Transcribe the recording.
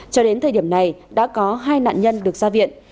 cho đến thời điểm này đã có hai nạn nhân được ra viện